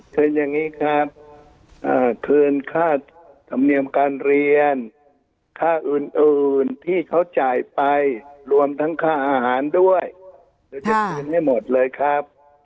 เชิญอย่างนี้ครับคืนค่าธรรมเนียมการเรียนค่าอื่นที่เขาจ่ายไปรวมทั้งค่าอาหารด้วยเดี๋ยวจะคืนให้หมดเลยครับ